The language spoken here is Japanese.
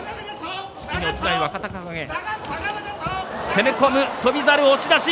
攻め込む、翔猿、押し出し。